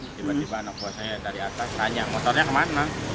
tiba tiba anak buah saya dari atas nanya motornya kemana